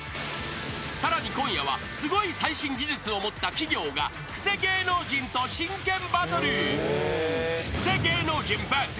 ［さらに今夜はすごい最新技術を持った企業がクセ芸能人と真剣バトル］